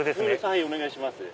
はいお願いします。